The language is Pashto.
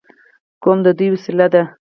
قوم د دوی وسیله ده.